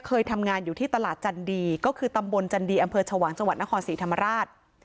เคยทำงานอยู่ที่ตลาดจันดีก็คือตำบลจันดีอำเภอชวางจังหวัดนครศรีธรรมราช